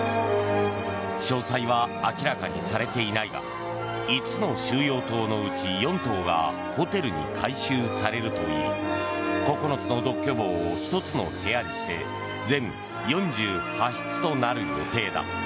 詳細は明らかにされていないが５つの収容棟のうち４棟がホテルに改修されるといい９つの独居房を１つの部屋にして全４８室となる予定だ。